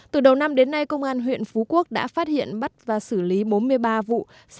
từ đầu năm đến nay công an huyện phú quốc đã phát hiện bắt và xử lý bốn mươi ba vụ